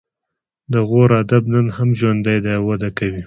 د غور ادب نن هم ژوندی دی او وده کوي